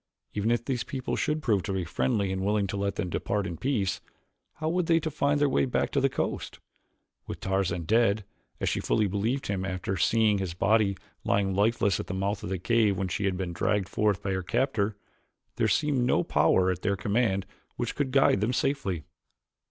Even if these people should prove friendly and willing to let them depart in peace, how were they to find their way back to the coast? With Tarzan dead, as she fully believed him after having seen his body lying lifeless at the mouth of the cave when she had been dragged forth by her captor, there seemed no power at their command which could guide them safely.